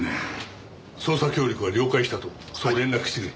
捜査協力は了解したとそう連絡してくれ。